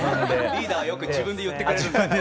リーダーはよく自分で言ってくれるんで。